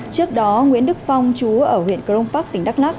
trước đó nguyễn đức phong chú ở huyện crong park tỉnh đắk lắc